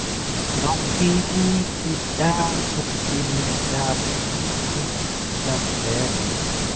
Nok vimi gudala ikume zele dabin mulmuke sula mis daya.